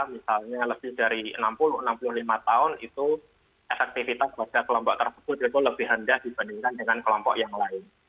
misalnya lebih dari enam puluh enam puluh lima tahun itu efektivitas pada kelompok tersebut itu lebih rendah dibandingkan dengan kelompok yang lain